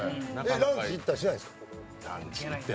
ランチに行ったりとかしないですか？